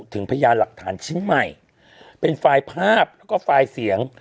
พยานหลักฐานชิ้นใหม่เป็นไฟล์ภาพแล้วก็ไฟล์เสียง